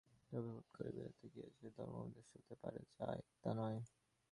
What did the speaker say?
তবে হুট করে বিলেত গিয়েই যে ধর্ম-উপদেষ্টা হতে পারা যায়, তা নয়।